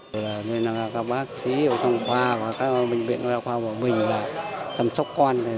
các bác sĩ ở trong khoa và các bệnh viện khoa bảo bình đã chăm sóc con